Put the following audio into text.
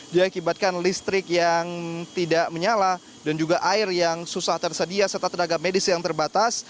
diakibatkan listrik yang tidak menyala dan juga air yang susah tersedia serta tenaga medis yang terbatas